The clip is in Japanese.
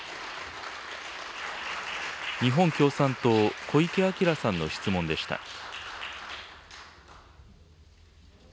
日本共産党、小池晃さんの質問でした。